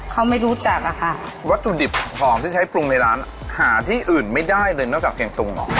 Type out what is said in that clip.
เขาไม่รู้จักอะค่ะวัตถุดิบหอมที่ใช้ปรุงในร้านหาที่อื่นไม่ได้เลยนอกจากเชียงตุงหรอก